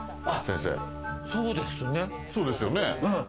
そうですね。